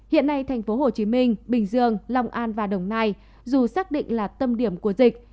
hiện nay tp hcm bình dương long an và đồng nai dù xác định là tâm điểm của dịch